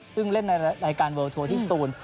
ซึ่งเล่นในรายการเลิลทัวร์ที่สตูน